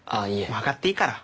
上がっていいから。